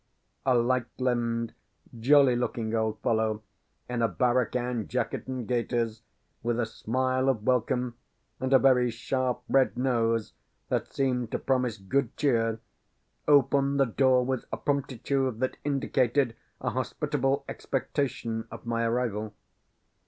A light limbed, jolly looking old fellow, in a barracan jacket and gaiters, with a smile of welcome, and a very sharp, red nose, that seemed to promise good cheer, opened the door with a promptitude that indicated a hospitable expectation of my arrival.